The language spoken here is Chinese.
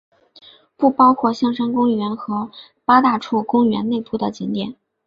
不包括香山公园和八大处公园内部的景点。